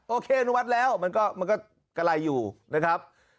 อนุมัติแล้วมันก็กะไรอยู่นะครับ